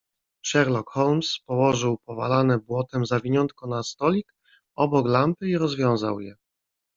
"Sherlock Holmes położył powalane błotem zawiniątko na stolik obok lampy i rozwiązał je."